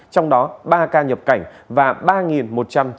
trong đó ba ca nhập cảnh và ba một trăm chín mươi tám ca ghi nhận ở trong nước